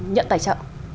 nhận tài trợ